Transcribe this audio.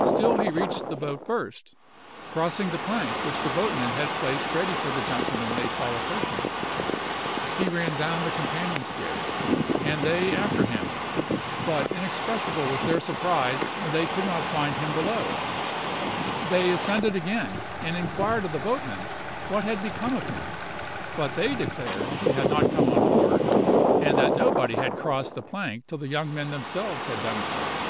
Still he reached the boat first, crossing the plank which the boatmen had placed ready for the gentlemen they saw approaching. He ran down the companion stairs, and they after him; but inexpressible was their surprise when they could not find him below! They ascended again, and inquired of the boatmen what had become of him; but they declared he had not come on board, and that nobody had crossed the plank till the young men themselves had done so.